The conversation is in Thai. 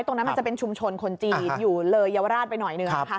ตรงนั้นมันจะเป็นชุมชนคนจีนอยู่เลยเยาวราชไปหน่อยหนึ่งนะคะ